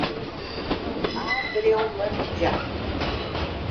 Abreulândia